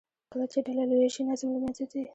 کله چې ډله لویه شي، نظم له منځه ځي.